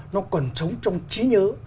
nó còn sống trong trí nhớ